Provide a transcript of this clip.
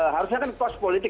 harusnya kan kos politik